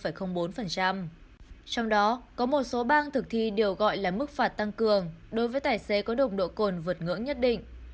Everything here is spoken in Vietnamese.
trong đó có một số bang thực thi đều gọi là mức phạt tăng cường đối với tài xế có nồng độ cồn vượt ngưỡng nhất định